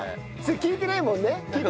聞いてないもんね？